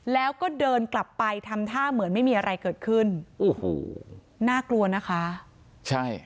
แล้วก็เดินกลับไปทำท่าเหมือนไม่มีอะไรเกิดขึ้นโอ้โหน่ากลัวนะคะใช่